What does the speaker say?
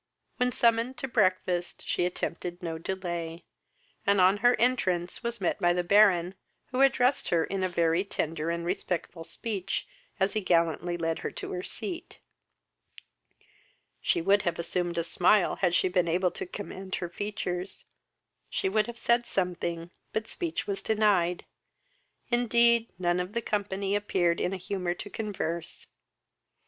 When summoned to breakfast she attempted no delay, and on her entrance was met by the Baron, who addressed her in a very tender and respectful speech, as he gallantly led her to her seat. She would have assumed a smile had she been able to command her features. She would have said something, but speech was denied. Indeed, non of the company appeared in a humour to converse.